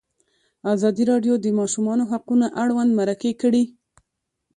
ازادي راډیو د د ماشومانو حقونه اړوند مرکې کړي.